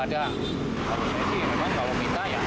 harusnya sih memang kalau minta ya